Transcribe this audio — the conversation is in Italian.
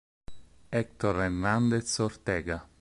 Héctor Hernández Ortega